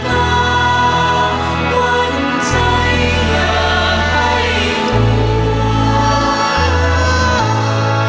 เจ้าแก่วตาบนใจอยากให้รู้ว่า